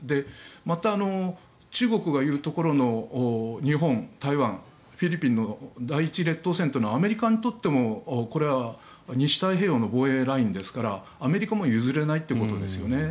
また、中国が言うところの日本、台湾、フィリピンの第一列島線というのはアメリカにとってもこれは西太平洋の防衛ラインですからアメリカも譲れないということですよね。